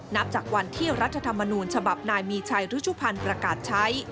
นับจากวันที่รัฐธรรมนูญฉบับนายมีชัยรุชุพันธ์ประกาศใช้